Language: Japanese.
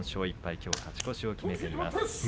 きょう勝ち越しを決めています。